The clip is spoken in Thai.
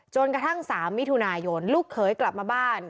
กระทั่ง๓มิถุนายนลูกเขยกลับมาบ้าน